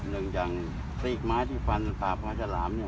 หนึ่งทางตรีกไม้ที่ฟันสาบมาจรามเนี้ย